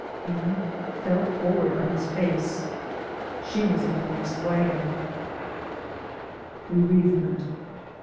And fell forward on his face. She was in the next wagon. BEREAVEMENT.